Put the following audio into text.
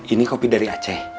ini kopi dari aceh